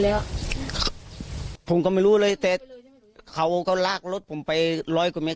แล้วผมก็ไม่รู้เลยแต่เขาก็ลากรถผมไปร้อยกว่าเมต